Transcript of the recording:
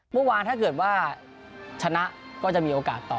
เมื่อวานถ้าเกิดว่าชนะก็จะมีโอกาสต่อ